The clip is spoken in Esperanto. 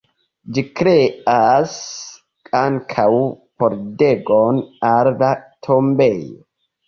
Ĝi kreas ankaŭ pordegon al la tombejo.